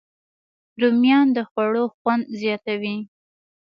رومیان د خوړو خوند زیاتوي